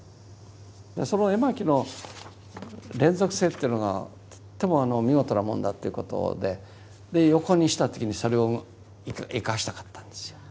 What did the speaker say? その絵巻の連続性というのがとっても見事なもんだっていうことで横にした時にそれを生かしたかったんですよ。